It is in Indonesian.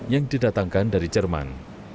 yang didatangkan dari jerman